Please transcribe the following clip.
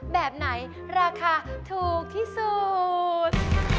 แบบไหนราคาถูกที่สุด